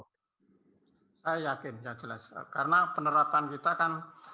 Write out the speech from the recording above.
saya yakin yang jelas karena penerapan kita kan